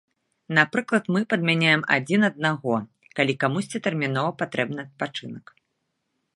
Напрыклад, мы падмяняем адзін аднаго, калі камусьці тэрмінова патрэбны адпачынак.